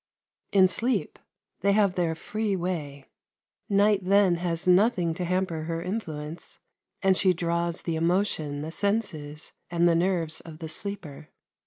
In sleep they have their free way. Night then has nothing to hamper her influence, and she draws the emotion, the senses, and the nerves of the sleeper.